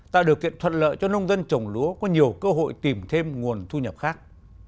tạo điều kiện thuận lợi cho nông dân trồng lúa có nhiều cơ hội tìm thêm nguồn thu nhập khác